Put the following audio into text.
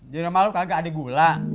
jenama lo kagak ada gula